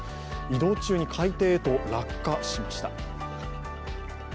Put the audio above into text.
移動中に海底へと落下しました。